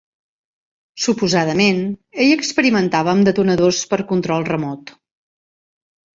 Suposadament, ell experimentava amb detonadors per control remot.